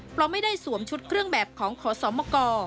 เพราะไม่ได้สวมชุดเครื่องแบบของขอสมก